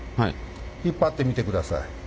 引っ張ってみてください。